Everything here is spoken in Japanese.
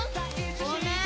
ごめん！